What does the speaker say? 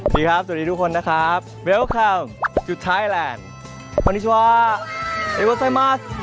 สวัสดีครับสวัสดีทุกคนนะครับ